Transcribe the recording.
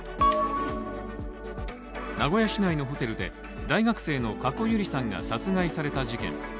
名古屋市内のホテルで大学生の加古結莉さんが殺害された事件。